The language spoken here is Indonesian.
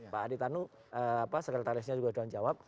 pak adi tanu sekretarisnya juga dalam jawab